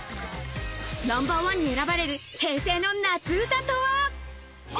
ナンバーワンに選ばれる平成の夏歌とは？